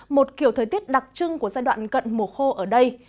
một kiểu thời tiết đặc trưng của giai đoạn cận mùa khô ở đây